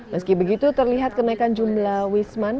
meski begitu terlihat kenaikan jumlah wisman